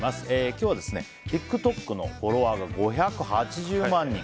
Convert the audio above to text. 今日はＴｉｋＴｏｋのフォロワーが５８０万人。